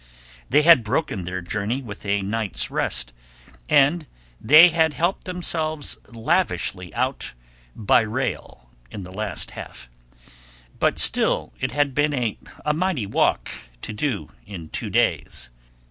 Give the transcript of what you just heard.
They had broken their journey with a night's rest, and they had helped themselves lavishly out by rail in the last half; but still it had been a mighty walk to do in two days.